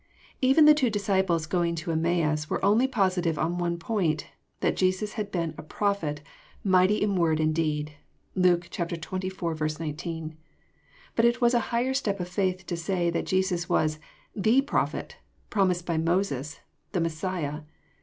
Even the two disciples going to Emmaus were only positive on one point, that Jesus had been *' a Prophet mighty In word and deed." (Luke xxlv. 19.) But It was a higher step of faith to say that Jesus was "the Prophet" promised by Mo6es, ^the Messiah.